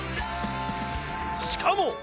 しかも。